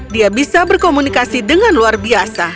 dia bisa berkomunikasi dengan luar biasa